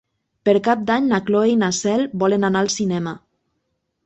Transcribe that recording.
Per Cap d'Any na Cloè i na Cel volen anar al cinema.